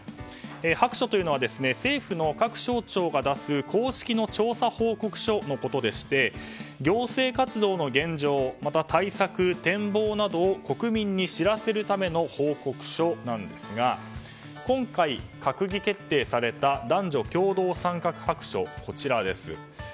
白書というのは政府の各省庁が出す公式の調査報告書のことでして行政活動の現状また対策、展望などを国民に知らせるための報告書なんですが今回、閣議決定された男女共同参画白書、こちらです。